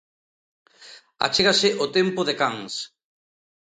Achégase o tempo de Cans.